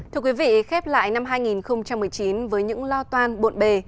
thưa quý vị khép lại năm hai nghìn một mươi chín với những lo toan bộn bề